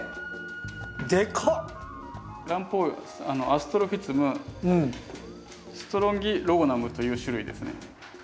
アストロフィツム・ストロンギロゴナムという種類ですね。